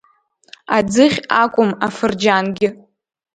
Аӡыхь акәым афырџьангьы.